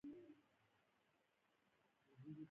غرونه د افغان کورنیو د دودونو مهم عنصر دی.